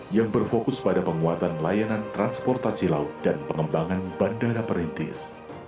yang berfokus pada penguatan layanan transportasi laut dan pengembangan bandara perintis